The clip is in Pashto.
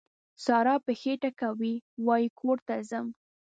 سارا پښې ټکوي؛ وای کور ته ځم.